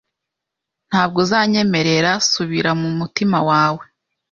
Ntabwo uzanyemerera Subira mu mutima wawe